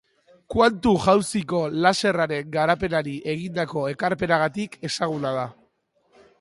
Kuantu-jauziko laserraren garapenari egindako ekarpenagatik ezaguna da.